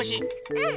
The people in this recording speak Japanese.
うん！